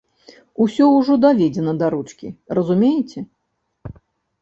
Усё ўжо даведзена да ручкі, разумееце.